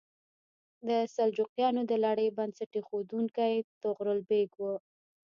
د سلجوقیانو د لړۍ بنسټ ایښودونکی طغرل بیګ و.